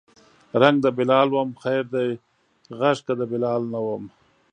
رنګ د بلال وم خیر دی غږ که د بلال نه وم